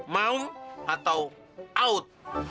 mau atau out